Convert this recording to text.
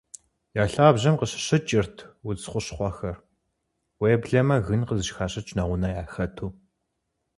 Я лъабжьэм къыщыкӀырт удз хущхъуэхэр, уеблэмэ гын къызыхащӀыкӀ нэгъунэ яхэту.